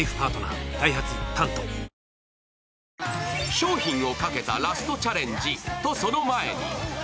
商品をかけたラストチャレンジ、とその前に。